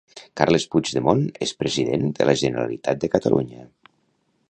Carles Puigdemont és President de la Generalitat de Catalunya